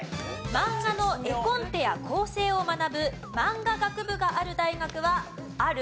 マンガの絵コンテや構成を学ぶ「マンガ学部」がある大学はある？